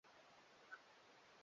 Mtoto wangu anapenda kucheza